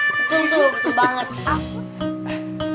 betul tuh betul banget